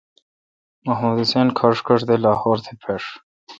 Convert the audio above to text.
محمد حسین کھݭ کھݭ دے لاہور تھ مݭ۔